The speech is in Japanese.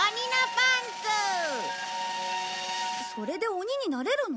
それで鬼になれるの？